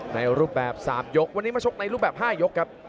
ในรูปแบบ๓ยกวันนี้มาชกในรูปแบบ๕ยกครับ